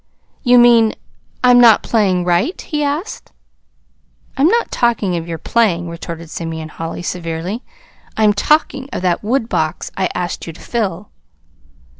"You mean I'm not playing right?" he asked. "I'm not talking of your playing," retorted Simeon Holly severely. "I'm talking of that woodbox I asked you to fill."